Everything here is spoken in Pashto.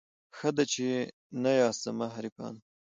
ښه دی چي نه یاست زما حریفانو